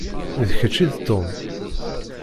D kečč i d Tom?